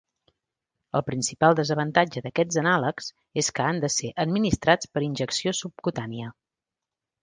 El principal desavantatge d'aquests anàlegs és que han de ser administrats per injecció subcutània.